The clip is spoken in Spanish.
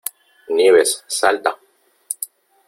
Nieves, ¡salta!